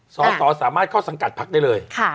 สสสามารถเข้าสังกัดพักได้เลย